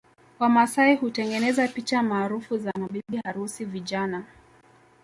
Wamasai hutengeneza picha maarufu za mabibi harusi vijana